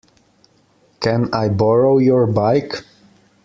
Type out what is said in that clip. Can I borrow your bike?